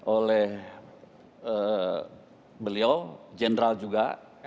oleh beliau jenderal juga